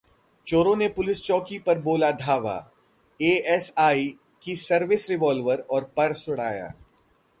चोरों ने पुलिस चौकी पर बोला धावा, एएसआई की सर्विस रिवॉल्वर और पर्स उड़ाया